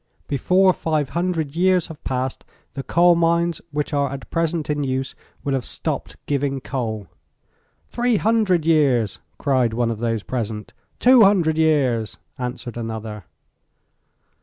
Before 500 years have passed the coal mines which are at present in use will have stopped giving coal." "Three hundred years," cried one of those present. "Two hundred years," answered another.